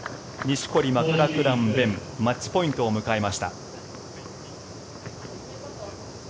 錦織、マクラクラン勉マッチポイントを迎えました。